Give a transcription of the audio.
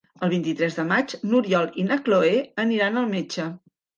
El vint-i-tres de maig n'Oriol i na Cloè aniran al metge.